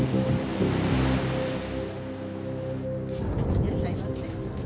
いらっしゃいませ。